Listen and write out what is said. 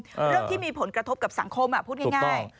เรื่องที่มีผลกระทบกับสังคมพูดง่าย